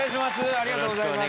ありがとうございます